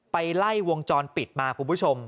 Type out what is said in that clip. ไล่วงจรปิดมาคุณผู้ชม